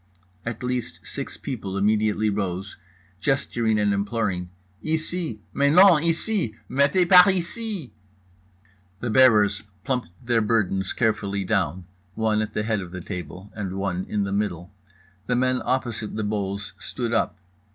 At least six people immediately rose, gesturing and imploring: "Ici"—"Mais non, ici"—"Mettez par ici"— The bearers plumped their burdens carefully down, one at the head of the table and one in the middle. The men opposite the bowls stood up.